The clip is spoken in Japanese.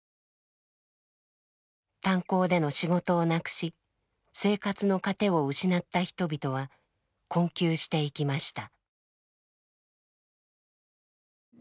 炭鉱での仕事をなくし生活の糧を失った人々は困窮していきました。